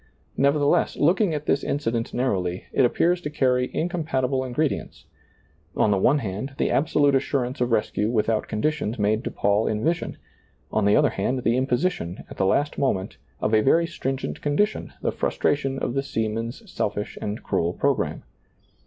Nevertheless, looking at this incident narrowly, it appears to carry incompatible ingre dients, — on the one hand, the absolute assurance of rescue without conditions made to Paul in vision ; on the other hand, the imposition, at the last moment, of a very stringent condition, the frustration of the seamen's selfish and cruel pro gramme.